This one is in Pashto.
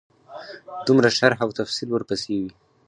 دومره شرح او تفصیل ورپسې وي.